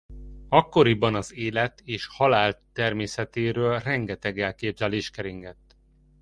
Akkoriban az élet és halál természetéről rengeteg elképzelés keringett.